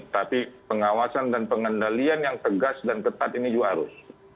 tapi pengawasan dan pengendalian yang tegas dan ketat ini juga harus